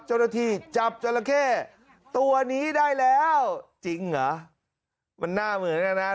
เจ้าหน้าที่จับจราเข้ตัวนี้ได้แล้วจริงเหรอมันหน้าเหมือนกันนะ